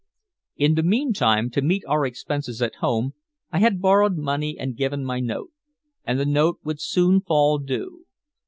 In the meantime, to meet our expenses at home, I had borrowed money and given my note. And the note would soon fall due.